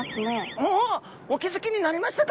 あっお気付きになりましたか！